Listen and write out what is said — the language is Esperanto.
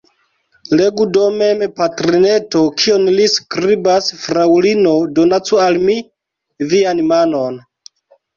Legu do mem, patrineto, kion li skribas: « Fraŭlino, donacu al mi vian manon!